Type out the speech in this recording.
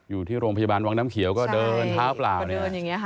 อยู่ที่โรงพยาบาลวังน้ำเขียวก็เดินเท้าเปล่าเนี่ยค่ะ